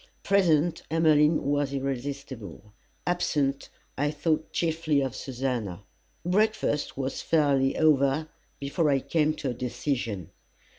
Present, Emmeline was irresistible; absent, I thought chiefly of Susannah. Breakfast was fairly over before I came to a decision.